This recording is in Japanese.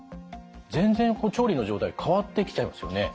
全然調理の状態変わってきちゃいますよね。